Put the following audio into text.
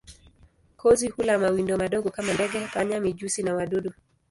Kozi hula mawindo madogo kama ndege, panya, mijusi na wadudu.